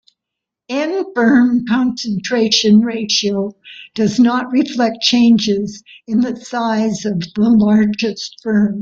N-firm concentration ratio does not reflect changes in the size of the largest firms.